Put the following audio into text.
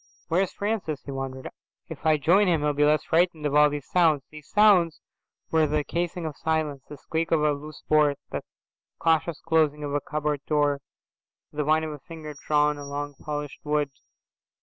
"Where's Francis?"' he wondered. "If I join him he'll be less frightened of all these sounds." "These sounds" were the casing of silence: the squeak of a loose board, the cautious closing of a cupboard door, the whine of a finger drawn along polished wood.